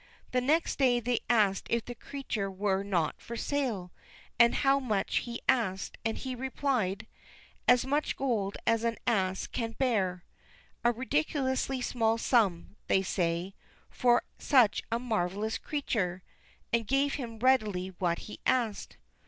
The next day they asked if the creature were not for sale, and how much he asked, and he replied: "As much gold as an ass can bear." "A ridiculously small sum," said they, "for such a marvelous creature!" and gave him readily what he asked.